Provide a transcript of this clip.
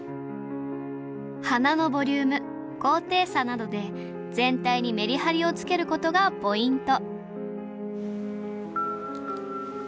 花のボリューム高低差などで全体にメリハリをつけることがポイント